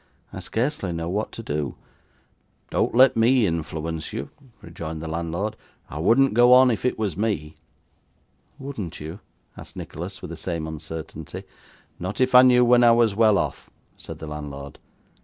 'I scarcely know what to do.' 'Don't let me influence you,' rejoined the landlord. 'I wouldn't go on if it was me.' 'Wouldn't you?' asked Nicholas, with the same uncertainty. 'Not if I knew when I was well off,' said the landlord.